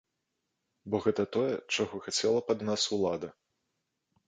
Бо гэта тое, чаго хацела б ад нас улада.